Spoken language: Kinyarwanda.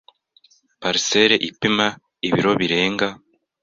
Parcelle ipima ibiro birenga.